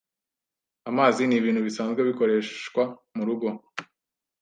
amazi n’ibintu bisanzwe bikoreshwa mu rugo